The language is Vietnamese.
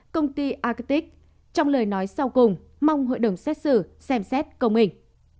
công ty arctic trong lời nói sau cùng mong hội đồng xét xử xem xét công hình